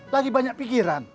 lagi banyak pikiran